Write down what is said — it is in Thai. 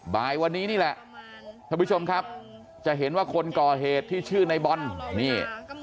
บ่ายวันนี้นี่แหละท่านผู้ชมครับจะเห็นว่าคนก่อเหตุที่ชื่อในบอลนี่